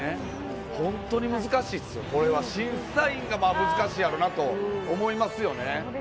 本当に難しいですよ、これは、審査員が難しいやろなと思いますよね。